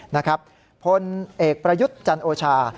นะครับพลเอกประยุทธ์จันทร์โอชา